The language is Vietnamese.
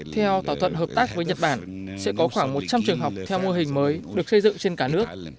theo thỏa thuận hợp tác với nhật bản sẽ có khoảng một trăm linh trường học theo mô hình mới được xây dựng trên cả nước